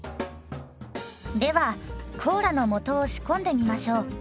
ではコーラの素を仕込んでみましょう。